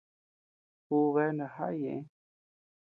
Ú bea najaʼa ñeʼë.